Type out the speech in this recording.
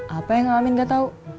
apa yang ngamin gak tau